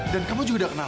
dan kamu juga udah kenalan